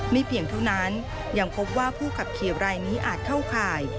เพียงเท่านั้นยังพบว่าผู้ขับขี่รายนี้อาจเข้าข่าย